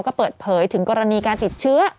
ก็เปิดเผยถึงกรณีการติดเชื้อ